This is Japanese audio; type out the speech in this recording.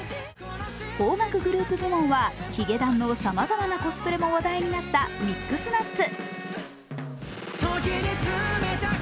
邦楽グループ部門はヒゲダンのさまざまなコスプレも話題になった「ミックスナッツ」。